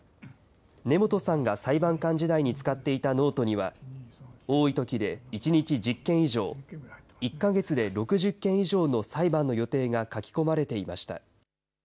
根本さんが裁判官時代に使っていたノートには、多いときで１日１０件以上、１か月で６０件以上の裁判の予定が書き込まれていました。